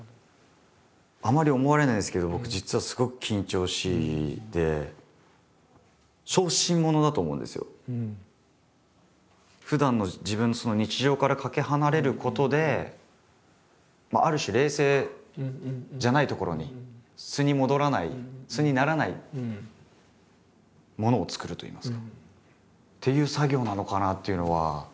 あんまり思われないんですけど僕実はふだんの自分の日常からかけ離れることである種冷静じゃないところに素に戻らない素にならないものを作るといいますか。っていう作業なのかなというのは。